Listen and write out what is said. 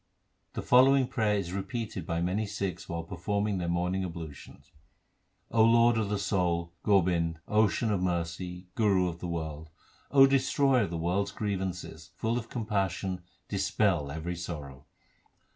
The following prayer is repeated by many Sikhs while performing their morning ablutions : O Lord of the soul, Gobind, Ocean of mercy, Guru of the world ; O Destroyer of the world s grievances, full of compassion, dispel every sorrow.